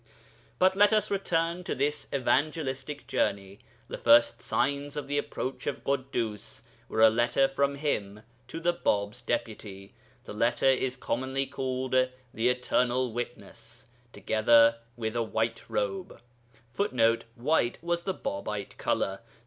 But let us return to the evangelistic journey. The first signs of the approach of Ḳuddus were a letter from him to the Bāb's Deputy (the letter is commonly called 'The Eternal Witness'), together with a white robe [Footnote: White was the Bābite colour.